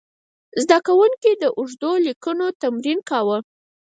زده کوونکي د اوږدو لیکنو تمرین کاوه.